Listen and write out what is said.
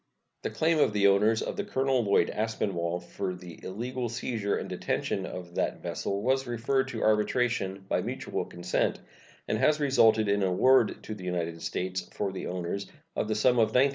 The claim of the owners of the Colonel Lloyd Aspinwall for the illegal seizure and detention of that vessel was referred to arbitration by mutual consent, and has resulted in an award to the United States, for the owners, of the sum of $19,702.